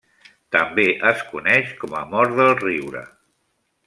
També es coneix com a mort del riure.